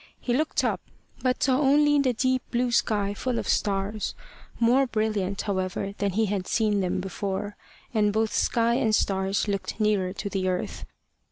He looked up, but saw only the deep blue sky full of stars more brilliant, however, than he had seen them before; and both sky and stars looked nearer to the earth.